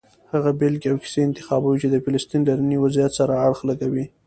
هغه بېلګې او کیسې انتخابوي چې د فلسطین له ننني وضعیت سره اړخ لګوي.